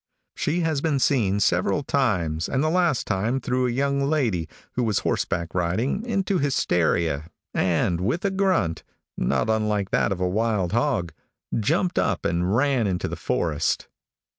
She has been seen several times, and the last time threw a young lady, who was horseback riding, into hysteria, and with a grunt not unlike that of a wild hog jumped up and ran into the forest.